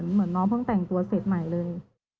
เหมือนน้องเพิ่งแต่งตัวเสร็จใหม่เลย